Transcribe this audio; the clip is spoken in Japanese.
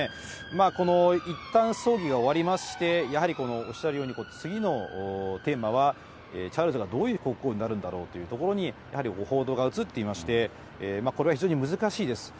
まあ、いったん葬儀が終わりまして、やはり、おっしゃるように、次のテーマは、チャールズがどういう国王になるんだろうというところに、やはり報道が移っていまして、これは非常に難しいです。